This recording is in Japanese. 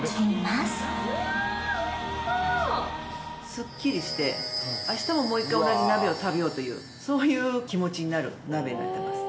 スッキリして明日ももう１回同じ鍋を食べようというそういう気持ちになる鍋になってます。